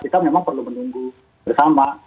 kita memang perlu menunggu bersama